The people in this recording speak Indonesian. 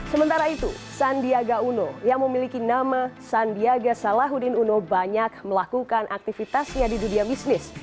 sementara itu sandiaga uno yang memiliki nama sandiaga salahuddin uno banyak melakukan aktivitasnya di dunia bisnis